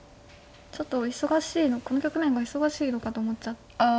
ちょっと忙しいこの局面が忙しいのかと思っちゃって。